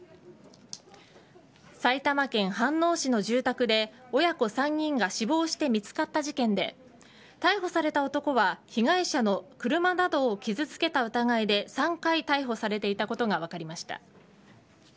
埼玉県飯能市の住宅で親子３人が死亡して見つかった事件で逮捕された男は被害者の車などを傷つけた疑いで３回、逮捕されていたことが分かりました。